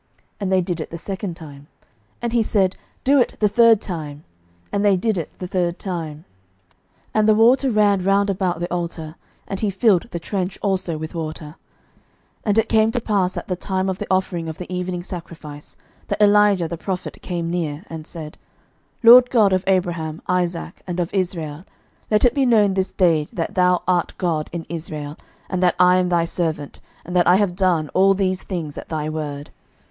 And they did it the second time. And he said, Do it the third time. And they did it the third time. 11:018:035 And the water ran round about the altar; and he filled the trench also with water. 11:018:036 And it came to pass at the time of the offering of the evening sacrifice, that Elijah the prophet came near, and said, LORD God of Abraham, Isaac, and of Israel, let it be known this day that thou art God in Israel, and that I am thy servant, and that I have done all these things at thy word.